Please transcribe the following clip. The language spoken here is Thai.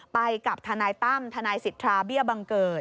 ไปกับทนายตั้มทนายสิทธาเบี้ยบังเกิด